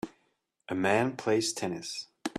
A man plays tennis.